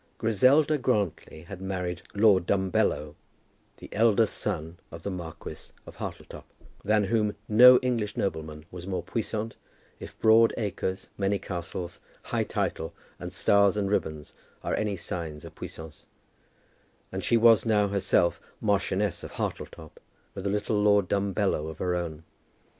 Griselda Grantly had married Lord Dumbello, the eldest son of the Marquis of Hartletop, than whom no English nobleman was more puissant, if broad acres, many castles, high title, and stars and ribbons are any signs of puissance, and she was now, herself, Marchioness of Hartletop, with a little Lord Dumbello of her own.